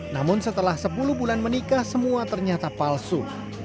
namun setelah sepuluh bulan menikah semua ternyata palsu